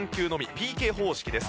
ＰＫ方式です。